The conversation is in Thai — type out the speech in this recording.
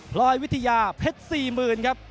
ลอยวิทยาเพชร๔๐๐๐ครับ